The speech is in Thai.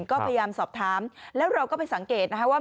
ก็พยายามสอบถามแล้วเราก็ไปสังเกตนะคะว่า